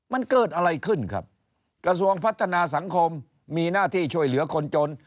มันเกิดอะไรขึ้นครับกระทรวงพัฒนาสังคมมีหน้าที่ช่วยเหลือคนจน